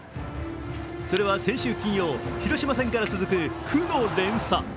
それは先週金曜、広島戦から続く負の連鎖。